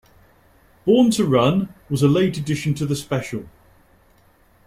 "Born to Run" was a late addition to the special.